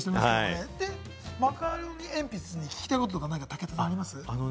マカロニえんぴつに聞きたいことが武田さん、あります？